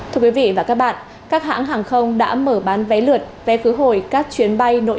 thưa quý vị và các bạn các hãng hàng không đã mở bán vé lượt vé khứ hồi các chuyến bay nội